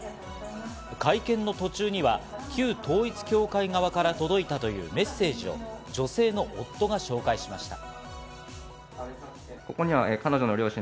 会見の途中には、旧統一教会側から届いたというメッセージを女性の夫が紹介しました。